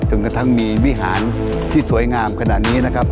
กระทั่งมีวิหารที่สวยงามขนาดนี้นะครับ